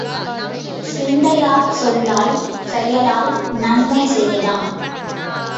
சிந்தையால், சொல்லால், செயலால் நன்மை செய்யலாம்.